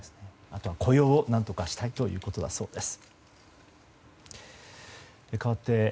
あとは雇用を何とかしたいということだそうです。